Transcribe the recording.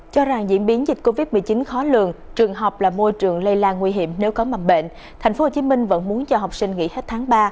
cho rằng diễn biến dịch covid một mươi chín khó lường trường học là môi trường lây lan nguy hiểm nếu có mầm bệnh thành phố hồ chí minh vẫn muốn cho học sinh nghỉ hết tháng ba